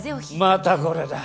またこれだ。